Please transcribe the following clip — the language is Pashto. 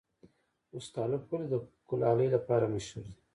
استالف ولې د کلالۍ لپاره مشهور دی؟